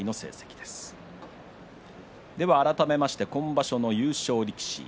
では改めまして今場所の優勝力士。